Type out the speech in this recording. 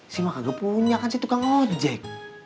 si maka gak punya kan si tukang ojek